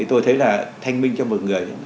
tôi thấy là thanh minh cho mọi người